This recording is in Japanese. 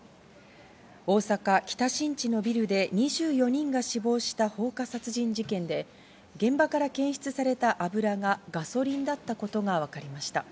大阪・北新地のビルで２４人が死亡した放火殺人事件で、現場から検出された油がガソリンだったことがわかりました。